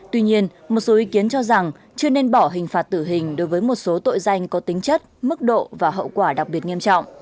tuy nhiên một số ý kiến cho rằng chưa nên bỏ hình phạt tử hình đối với một số tội danh có tính chất mức độ và hậu quả đặc biệt nghiêm trọng